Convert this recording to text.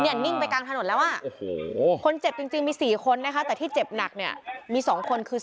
เนี่ยนิ่งไปกลางถนนแล้วอะคนเจ็บจริงมีสี่คนนะคะแต่ที่เจ็บหนักเนี่ยมีสองคนคือ